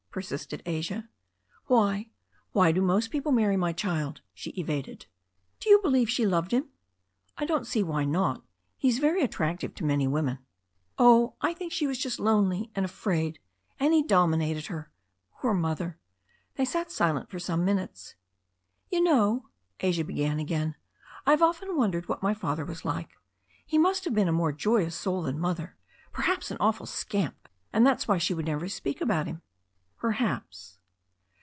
persisted Asia. "Why — ^why do most people marry, my child ?" she evaded. "Do you believe she loved him?" "I don't see why not. He is very attractive to many women." "Oh, I think she was just lonely, and afraid, and he dom inated her — ^poor Mother." They sat silent for some minute's. "You know," Asia began again, "I have often wondered what my father was like. He must have been a more joyous soul than Mother, perhaps an awful scamp, and that's why she would never speak about him." "Perhaps."